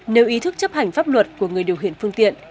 nếu ý thức chấp hành pháp luật của người điều khiển phương tiện